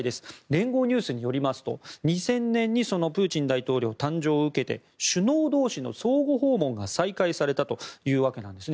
連合ニュースによりますと２０００年にプーチン大統領の誕生を受けて首脳同士の相互訪問が再開されたというわけです。